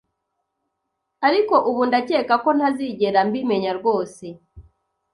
ariko ubu ndakeka ko ntazigera mbimenya rwose!